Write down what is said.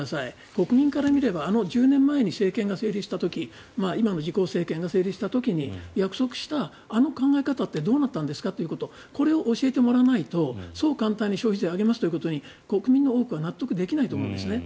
国民から見れば１０年前に政権が成立した時今の自公政権が成立した時に約束したあの考え方ってどうなったんですかということこれを教えてもらわないとそう簡単に消費税上げますということに国民の多くは納得できないと思うんですね。